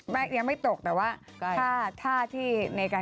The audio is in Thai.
ไปประวังเขาอีก